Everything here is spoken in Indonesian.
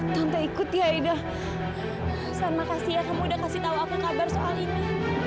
tante ikut ya ida terima kasih kamu udah kasih tahu apa kabar soal ini